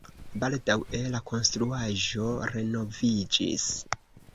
Baldaŭe la konstruaĵo renoviĝis.